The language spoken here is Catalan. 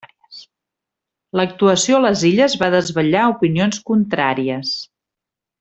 L'actuació a les illes va desvetllar opinions contràries.